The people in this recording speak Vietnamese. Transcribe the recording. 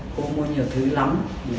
cô mua nhiều thứ lắm